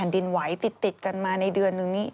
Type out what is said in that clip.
ติดติดกันมาในเดือนนึงนี่